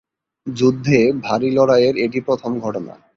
যুদ্ধে ভারী লড়াইয়ের এটি প্রথম ঘটনা।